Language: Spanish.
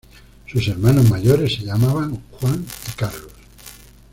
Sus hermanos mayores se llamaban Juan y Carlos.